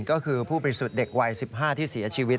ก็คือผู้บริสุทธิ์เด็กวัย๑๕ที่เสียชีวิต